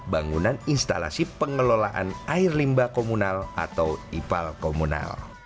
bangunan instalasi pengelolaan air limba komunal atau ipal komunal